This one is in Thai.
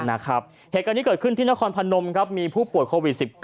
เหตุการณ์นี้เกิดขึ้นที่นครพนมครับมีผู้ป่วยโควิด๑๙